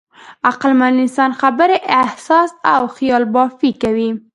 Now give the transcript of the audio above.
عقلمن انسان خبرې، احساس او خیالبافي کوي.